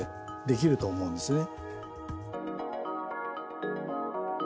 できると思うんですね。